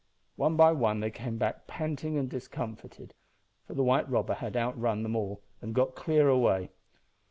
One by one they came back panting and discomfited, for the white robber had outrun them all and got clear away.